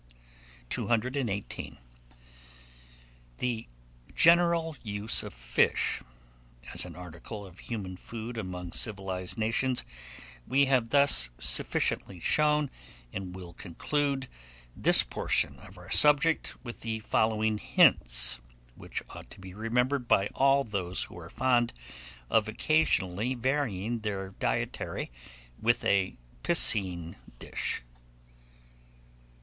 218. THE GENERAL USE OF FISH, as an article of human food among civilized nations, we have thus sufficiently shown, and will conclude this portion of our subject with the following hints, which ought to be remembered by all those who are fond of occasionally varying their dietary with a piscine dish: I.